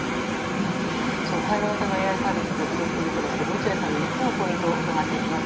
対話型のＡＩサービス続々と出ていますが落合さんに３つのポイントを伺っていきます。